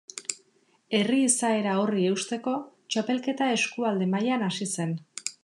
Herri izaera horri eusteko, txapelketa eskualde mailan hasi zen.